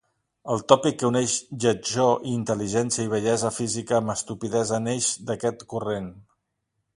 El tòpic que uneix lletjor i intel·ligència i bellesa física amb estupidesa neix d'aquest corrent.